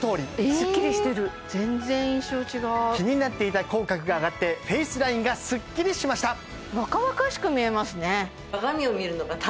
すっきりしてる全然印象違う気になっていた口角が上がってフェイスラインがすっきりしました若々しく見えますね